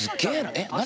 えっ何？